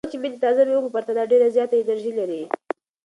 وچې مېوې د تازه مېوو په پرتله ډېره زیاته انرژي لري.